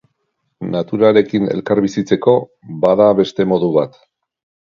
Naturarekin elkarbizitzeko, bada beste modu bat.